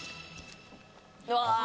うわ！